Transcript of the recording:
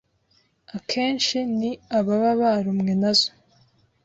akenshi ni ababa barumwe nazo